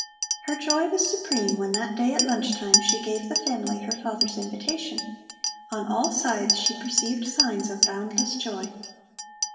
Her joy was supreme when that day at lunch time she gave the family her father's invitation. On all sides she perceived signs of boundless joy.